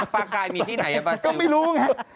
ปลากายมีที่ไหนบ้างก็ไม่รู้ไง